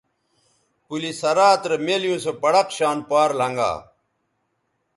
پلِ صراط رے مِیلیوں سو پڑق شان پار لھنگا